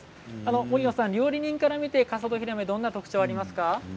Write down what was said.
森野さん、料理人から見て笠戸ひらめどんな特徴がありますか？